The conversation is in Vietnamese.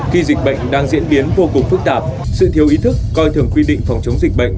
khi dịch bệnh đang diễn biến vô cùng phức tạp sự thiếu ý thức coi thường quy định phòng chống dịch bệnh